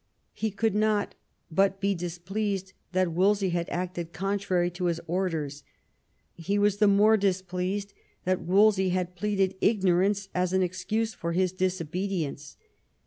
He could not but be displeased that Wolsey had acted contrary to his orders; he was the more displeased that Wolsey had pleaded ignorance as an excuse for his disobedience.